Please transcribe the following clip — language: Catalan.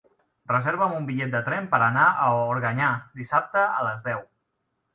Reserva'm un bitllet de tren per anar a Organyà dissabte a les deu.